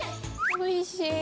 おいしい！